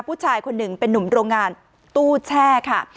ผู้ชายคนหนึ่งเป็นนุ่มโรงงานตู้แช่ค่ะ